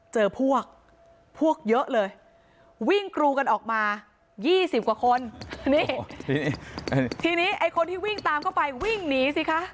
เจอพวกพวกเยอะเลยวิ่งกรูกันออกมา๒๐กว่าคนนี่ทีนี้ไอ้คนที่วิ่งตามเข้าไปวิ่งหนีสิคะ